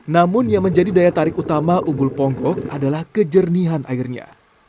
namun yang menjadi daya tarik utama ubul ponggok adalah kejernihan airnya